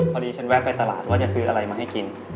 พอดีฉันแวะไปตลาดว่าจะซื้ออะไรมาให้กิน